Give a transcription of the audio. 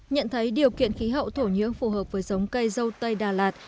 nhận thấy điều kiện khí hậu thổ nhưỡng phù hợp với giống cây dâu tây đà lạt